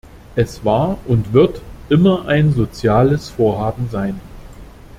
Es war und wird immer ein soziales Vorhaben sein.